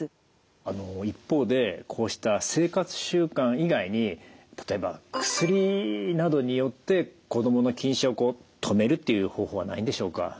あの一方でこうした生活習慣以外に例えば薬などによって子どもの近視を止めるっていう方法はないんでしょうか。